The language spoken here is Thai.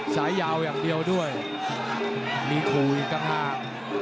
สายยาวอย่างเดียวด้วยมีขู่อีกต่างหาก